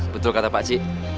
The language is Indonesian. betul kata pakcik